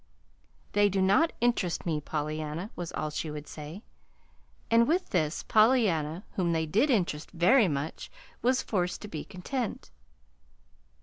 "They do not interest me, Pollyanna," was all she would say; and with this, Pollyanna whom they did interest very much was forced to be content.